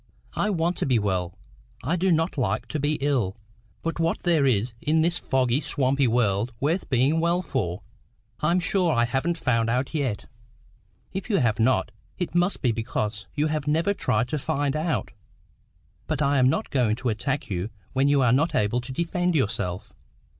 '" "I want to be well because I don't like to be ill. But what there is in this foggy, swampy world worth being well for, I'm sure I haven't found out yet." "If you have not, it must be because you have never tried to find out. But I'm not going to attack you when you are not able to defend yourself.